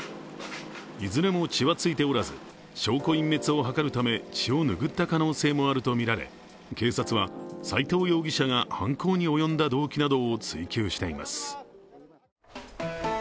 いずれも血はついておらず、証拠隠滅を図るため血を拭った可能性もあるとみられ警察は斉藤容疑者が犯行に及んだ動機などを追及しています。